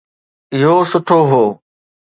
اهو سٺو هو.